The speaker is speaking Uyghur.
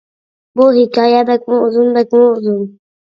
بۇ ھېكايە بەكمۇ ئۇزۇن، بەكمۇ ئۇزۇن.